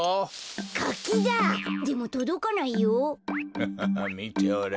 ハハハみておれ。